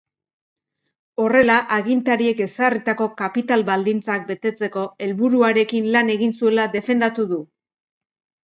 Horrela, agintariek ezarritako kapital baldintzak betetzeko helburuarekin lan egin zuela defendatu du.